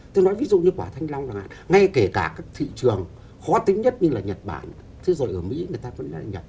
tôi nói ví dụ như quả thanh long là ngay kể cả các thị trường khó tính nhất như là nhật bản thế rồi ở mỹ người ta vẫn là nhật